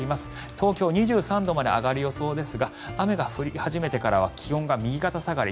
東京２３度まで上がる予想ですが雨が降り始めてからは気温が右肩下がり。